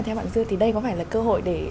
theo bạn dư thì đây có phải là cơ hội để